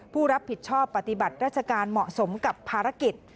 ผู้รับผิดชอบปฏิบัติราชการเหมาะสมกับภารกิจ